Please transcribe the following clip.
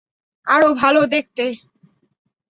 আরও ভালো দেখতে।